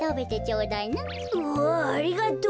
うわありがとう。